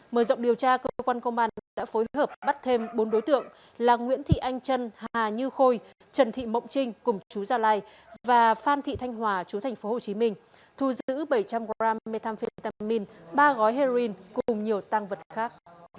mở rộng điều tra cơ quan công an đã phối hợp bắt thêm bốn đối tượng là nguyễn thị anh trân hà như khôi trần thị mộng trinh cùng chú gia lai và phan thị thanh hòa chú tp hcm thu giữ bảy trăm linh g methamphetamine ba gói heroin cùng nhiều tăng vật khác